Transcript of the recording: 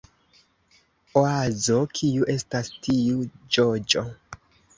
Oazo: "Kiu estas tiu ĝoĝo?"